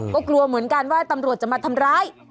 ก็กลัวเหมือนกันว่าตำรวจจะมาทำร้าย